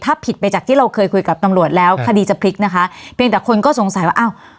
ถ้าผิดไปจากที่เราเคยคุยกับตำรวจแล้วคดีจะพลิกนะคะเพียงแต่คนก็สงสัยว่าอ้าว